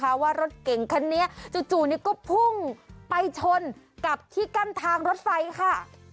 เพราะว่ารถเก่งคันนี้จู่นี่ก็พุ่งไปชนกับที่กั้นทางรถไฟค่ะ